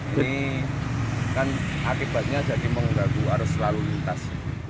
ini kan akibatnya jadi menggaguh harus selalu lintas